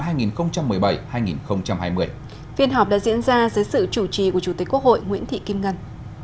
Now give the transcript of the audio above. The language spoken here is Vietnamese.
phiên họp đã diễn ra dưới sự chủ trì của chủ tịch quốc hội nguyễn thị kim ngân